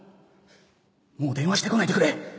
もう電話してこないでくれ！